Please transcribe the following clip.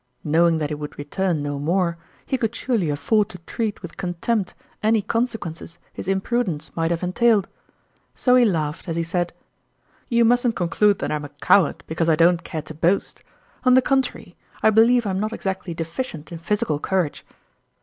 Knowing that he would return no more, he could surely afford to treat with contempt any consequences his imprudence might have entailed. So he laughed, as he said :" You musn't conclude that I'm a coward because I don't care to boast. On the con trary, I believe I am not exactly deficient in physical courage."